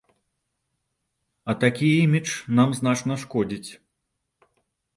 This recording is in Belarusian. А такі імідж нам значна шкодзіць.